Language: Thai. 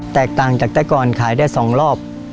แตกต่างจากแต่ก่อนขายได้๒รอบ